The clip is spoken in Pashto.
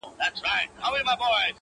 زما په غــېږه كــي نــاســور ويـده دی.